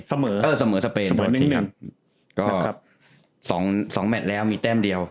เสมอเออเสมอสเปนเหมือนที่นั่นก็สองสองแมทแล้วมีแต้มเดียว